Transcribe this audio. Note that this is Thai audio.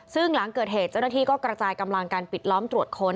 ซึ่งหลังเกิดเหตุเจ้าหน้าที่ก็กระจายกำลังการปิดล้อมตรวจค้น